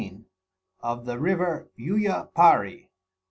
Of the River Yuya Pari.